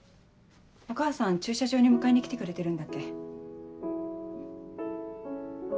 お母さん駐車場に迎えに来てくれてるんだっけ？